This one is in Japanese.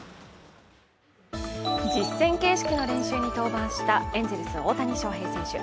実戦形式の練習に登板したエンゼルスの大谷翔平選手。